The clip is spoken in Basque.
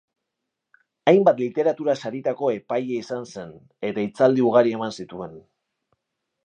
Hainbat literatura-saritako epaile izan zen, eta hitzaldi ugari eman zituen.